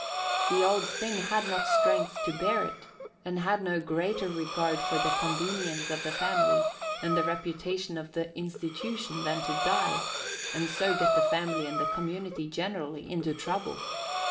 The old thing had not strength to bear it, and had no greater regard for the convenience of the family, and the reputation of "the institution," than to die, and so get the family and the community generally into trouble.